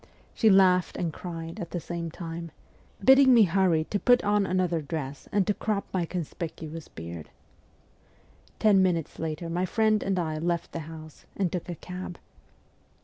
She laughed and cried at the same time, bidding me hurry to put on another dress and to crop my conspicuous beard. Ten minutes later my friend and I left the house and took a cab.